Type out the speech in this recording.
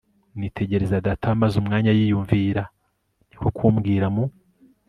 nitegereza data wamaze umwanya yiyumvira. ni ko kumbwira mu